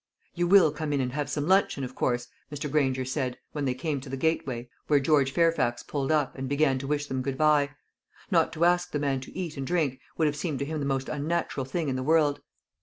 "You will come in and have some luncheon, of course," Mr. Granger said, when they came to the gateway, where George Fairfax pulled up, and began to wish them good bye. Not to ask the man to eat and drink would have seemed to him the most unnatural thing in the world.